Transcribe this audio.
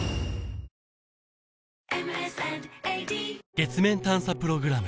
月面探査プログラム